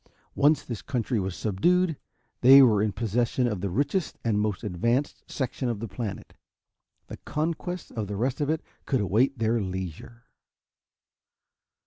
Once this country was subdued, they were in possession of the richest and most advanced section of the planet. The conquest of the rest of it could await their leisure.